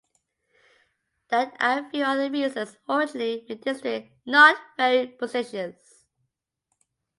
That and few other reasons originally made the district not very prestigious.